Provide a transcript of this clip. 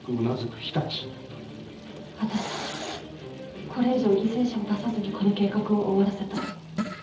私たちはこれ以上犠牲者を出さずにこの計画を終わらせたい。